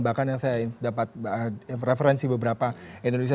bahkan yang saya dapat referensi beberapa indonesia